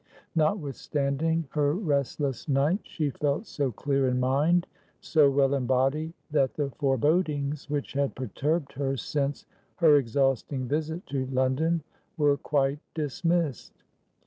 Notwithstanding her restless night, she felt so clear in mind, so well in body, that the forebodings which had perturbed her since her exhausting visit to London were quite dismissed.